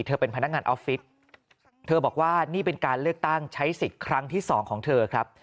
เธอเป็นพนักงานออฟฟิศเธอบอกว่านี่เป็นการเลือกตั้งใช้สิทธิ์ครั้งที่สองของเธอครับ